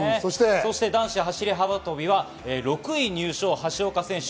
そして男子走り幅跳びは６位入賞、橋岡選手。